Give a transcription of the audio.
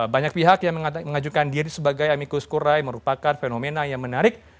banyak pihak yang mengajukan diri sebagai amikus kurai merupakan fenomena yang menarik